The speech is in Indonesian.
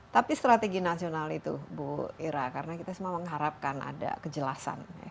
tapi strategi nasional itu bu ira karena kita semua mengharapkan ada kejelasan